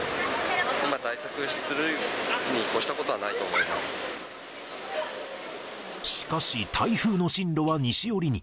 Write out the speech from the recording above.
対策するに越したことはないと思しかし、台風の進路は西寄りに。